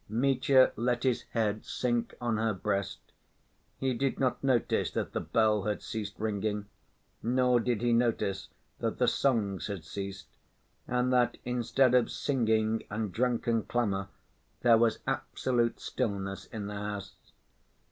Mitya let his head sink on her breast. He did not notice that the bell had ceased ringing, nor did he notice that the songs had ceased, and that instead of singing and drunken clamor there was absolute stillness in the house.